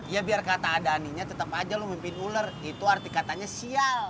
ya biar kata ada aninya tetep aja lo mimpin uler itu arti katanya sial